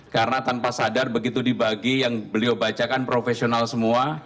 karena tanpa sadar begitu dibagi yang beliau bacakan profesional semua